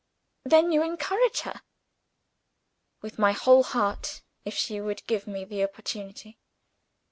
"Then you encourage her?" "With my whole heart if she would give me the opportunity!"